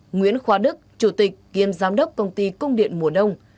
nguyễn khoa đức chủ tịch kiêm giám đốc công ty cung điện mùa đông